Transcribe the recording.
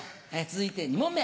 続いて２問目。